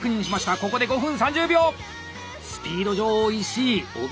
ここで５分３０秒！